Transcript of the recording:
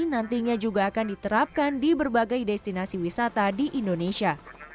nantinya juga akan diterapkan di berbagai destinasi wisata di indonesia